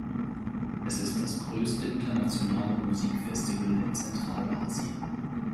Es ist das größte internationale Musikfestival in Zentralasien.